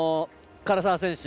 唐澤選手